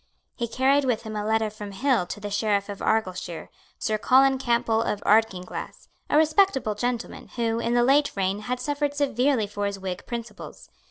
He carried with him a letter from Hill to the Sheriff of Argyleshire, Sir Colin Campbell of Ardkinglass, a respectable gentleman, who, in the late reign, had suffered severely for his Whig principles.